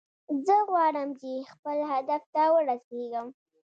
زه غواړم چې خپل هدف ته ورسیږم